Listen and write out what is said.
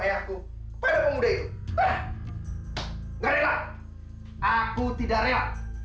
sampai jumpa di video selanjutnya